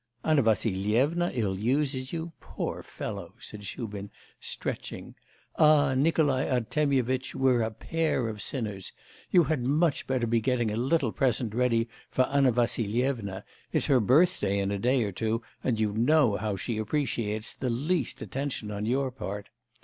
'Anna Vassilyevna ill uses you... poor fellow!' said Shubin, stretching. 'Ah, Nikolai Artemyevitch, we're a pair of sinners! You had much better be getting a little present ready for Anna Vassilyevna. It's her birthday in a day or two, and you know how she appreciates the least attention on your part.